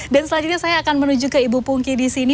dan selanjutnya saya akan menuju ke ibu pungki disini